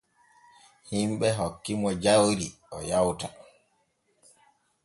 Himɓe hokkamo jayri o yawta.